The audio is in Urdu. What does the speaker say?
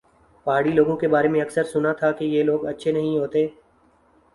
پہاڑی لوگوں کے بارے میں اکثر سنا تھا کہ یہ لوگ اچھے نہیں ہوتے